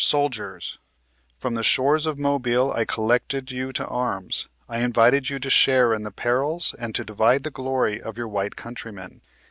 — Soldiers ! From the shores of Mobile I collected you. to arms, — I invited you to share in the perils and to divide the glory of your white countrymen.